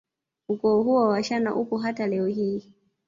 Ukoo huo wa washana upo hata leo hii